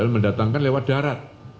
mendatangkan lewat darat